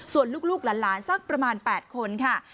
ส่วนลูกหลานสักประมาณ๘คนค่ะ